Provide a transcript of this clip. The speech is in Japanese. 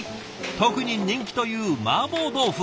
特に人気というマーボー豆腐。